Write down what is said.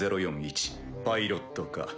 パイロット科。